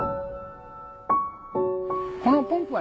このポンプは。